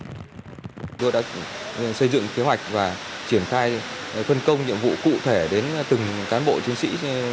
chúng tôi đã xây dựng kế hoạch và triển khai phân công nhiệm vụ cụ thể đến từng cán bộ chiến sĩ